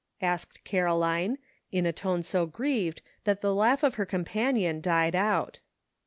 asked Caroline, in a tone so grieved that the laugh of her companion died out.